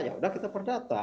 ya sudah kita perdata